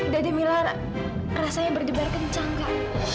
dede mila rasanya berdebar kencang kak